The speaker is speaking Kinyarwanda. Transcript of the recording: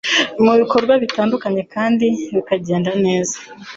mu bikorwa bitandukanye kandi bikagenda neza.